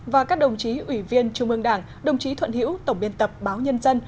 và các đồng chí ủy viên trung ương đảng đồng chí thuận hiễu tổng biên tập báo nhân dân